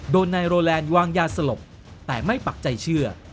โดนนายโรแลนด์วางยาสลบแต่ไม่ปักใจเชื่อ